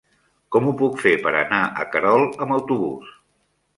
Com ho puc fer per anar a Querol amb autobús?